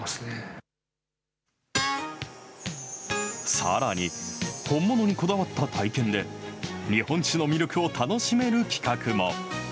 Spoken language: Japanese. さらに、本物にこだわった体験で、日本酒の魅力を楽しめる企画も。